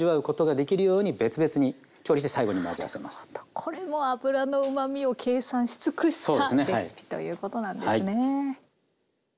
これも脂のうまみを計算し尽くしたレシピということなんですね。